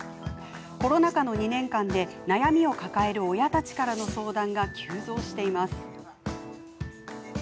コロナ禍の２年間で悩みを抱える親たちからの相談が急増しています。